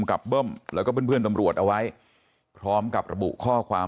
กับเบิ้มแล้วก็เพื่อนตำรวจเอาไว้พร้อมกับระบุข้อความ